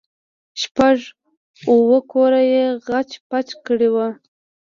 شپږ اوه کوره يې خچ پچ کړي وو.